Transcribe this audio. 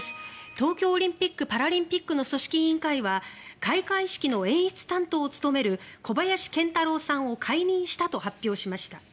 東京オリンピック・パラリンピックの組織委員会は開会式の演出担当を務める小林賢太郎さんを解任したと発表しました。